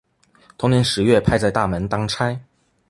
同年十月派在大门当差。